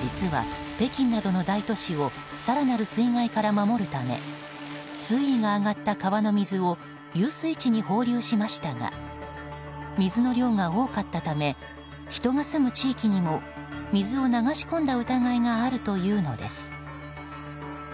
実は、北京などの大都市を更なる水害から守るため水位が上がった川の水を遊水地に放流しましたが水の量が多かったため人が住む地域にも水を流し込んだ疑いがあるというのです。